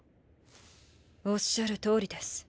おっしゃるとおりです。